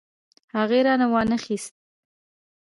هغې رانه وانه خيستې.